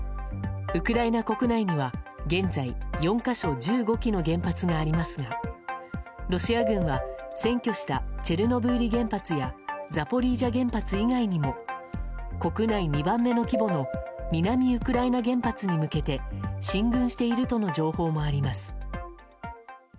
ウクライナ国内には現在４か所１５基の原発がありますがロシア軍は占拠したチェルノブイリ原発やザポリージャ原発以外にも国内２番目の規模の南ウクライナ原発に向けて進軍しているとの情報もあります。